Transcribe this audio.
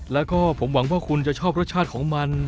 แล้วก็ผมหวังว่าคุณจะชอบรสชาติของมัน